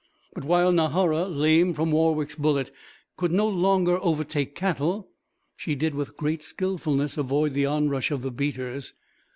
But while Nahara, lame from Warwick's bullet, could no longer overtake cattle, she did with great skilfulness avoid the onrush of the beaters.